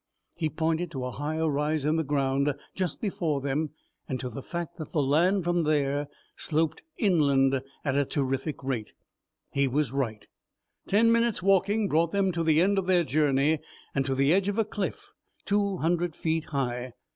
He pointed to a higher rise in the ground just before them and to the fact that the land from there sloped down inland at a terrific rate. He was right. Ten minutes walking brought them to the end of their journey and to the edge of a cliff two hundred feet high.